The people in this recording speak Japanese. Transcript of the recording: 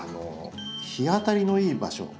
日当たりのいい場所